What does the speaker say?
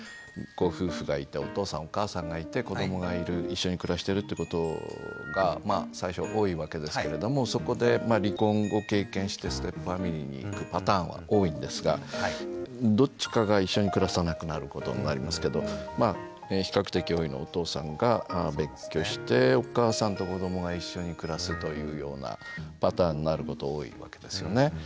こう夫婦がいてお父さんお母さんがいて子どもが一緒に暮らしてるってことがまあ最初多いわけですけれどもそこで離婚を経験してステップファミリーにいくパターンは多いんですがどっちかが一緒に暮らさなくなることになりますけどまあ比較的多いのはお父さんが別居してお母さんと子どもが一緒に暮らすというようなパターンになること多いわけですよね。